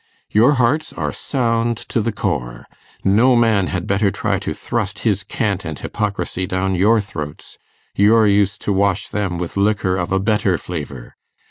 Your hearts are sound to the core! No man had better try to thrust his cant and hypocrisy down your throats. You're used to wash them with liquor of a better flavour.